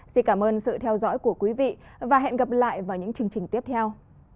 xin cảm ơn sự theo dõi của quý vị và hẹn gặp lại vào những chương trình tiếp theo